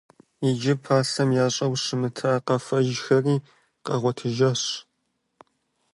Иджы пасэм ящӀэу щымыта къафэжьхэри къагъуэтыжащ.